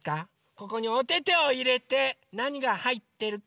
ここにおててをいれてなにがはいってるかあててください。